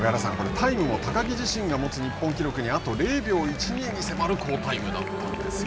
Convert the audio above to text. タイムも高木自身が持つ日本記録にあと０秒１２に迫る好タイムだったんですよ。